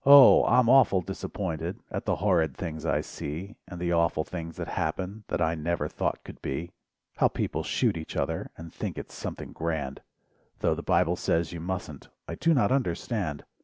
I'm awful disappointed At the horrid things I see. And the awful things that happen That I never thought could be. How people shoot each other, And think it "something grand," Tho the Bible says you mustn't I do not understand!